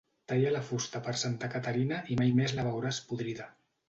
Talla la fusta per Santa Caterina i mai més la veuràs podrida.